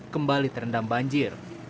kembali terendam banjir